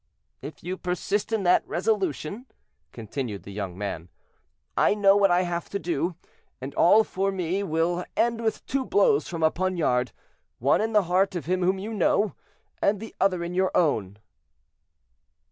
"If you persist in that resolution," continued the young man, "I know what I have to do, and all for me will end with two blows from a poniard—one in the heart of him whom you know, and the other in your own."